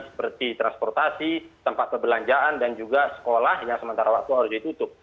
seperti transportasi tempat perbelanjaan dan juga sekolah yang sementara waktu harus ditutup